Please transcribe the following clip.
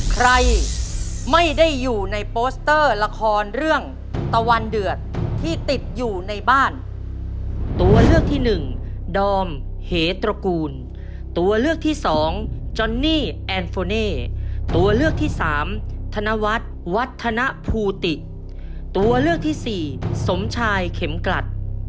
ใครไม่ได้อยู่ในโปสเตอร์ละครเรื่องตะวันเดือดที่ติดอยู่ในบ้านตัวเลือกที่หนึ่งดอมเหตระกูลตัวเลือกที่สองจอนนี่แอนโฟเน่ตัวเลือกที่สามธนวัฒน์วัฒนภูติตัวเลือกที่สี่สมชายเข็มกลัด